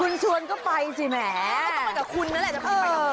คุณชวนก็ไปจริงแหม